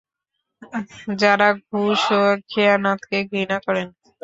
যারা ঘুষ ও খিয়ানতকে ঘৃণা করেন।